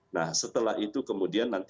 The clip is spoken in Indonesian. nah setelah itu kemudian nanti